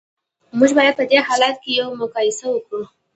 موږ باید په دې حالت کې یوه مقایسه وکړو